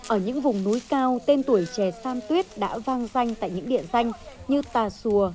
ở những vùng núi cao tên tuổi chè san tuyết đã vang danh tại những địa danh như tà xùa